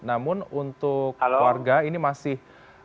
namun untuk warga ini masih